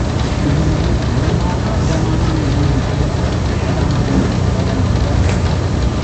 இதனை அனுமானப் பிரமாணம் என்னும் பெயரால் வடமொழியில் வழங்குவர்.